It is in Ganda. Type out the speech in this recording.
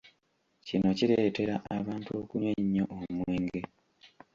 Kino kireetera abantu okunywa ennyo omwenge.